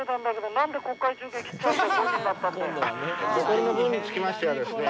残りの分につきましてはですね